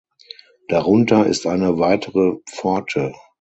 Darunter ist eine weitere Pforte.